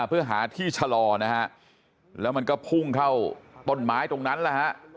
เพื่อหาที่ชะลอนะฮะแล้วมันก็พุ่งเข้าต้นไม้ตรงนั้นแหละฮะ